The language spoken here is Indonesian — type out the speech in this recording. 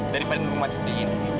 daripada rumah cinta ini